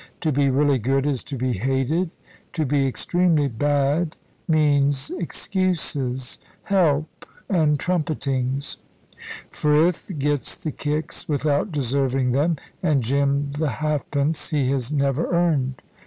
To be really good is to be hated; to be extremely bad means excuses, help, and trumpetings. Frith gets the kicks without deserving them, and Jim the half pence he has never earned.